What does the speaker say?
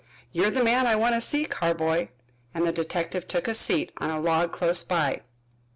"You're the man I want to see, Carboy," and the detective took a seat on a log close by.